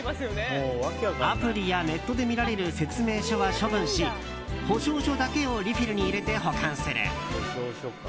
アプリやネットで見られる説明書は処分し保証書だけをリフィルに入れて保管する。